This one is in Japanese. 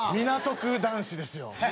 港区男子ですよ。